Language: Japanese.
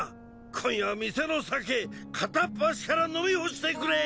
今夜は店の酒片っ端から飲み干してくれ！